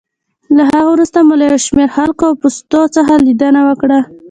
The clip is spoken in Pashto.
له هغه وروسته مو له یو شمېر خلکو او پوستو څخه لېدنه وکړه.